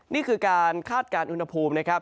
นี่คือการคาดการณ์อุณหภูมิ